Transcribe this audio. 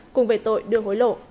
cùng về tội đưa hối lộ